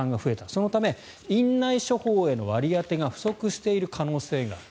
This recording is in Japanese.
そのため院内処方への割り当てが不足している可能性がある。